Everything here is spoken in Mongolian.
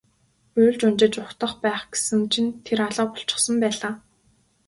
Уйлж унжиж угтах байх гэсэн чинь тэр алга болчихсон байлаа.